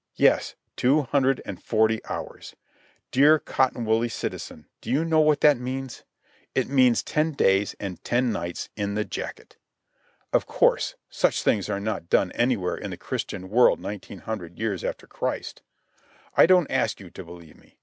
Yes, two hundred and forty hours. Dear cotton woolly citizen, do you know what that means? It means ten days and ten nights in the jacket. Of course, such things are not done anywhere in the Christian world nineteen hundred years after Christ. I don't ask you to believe me.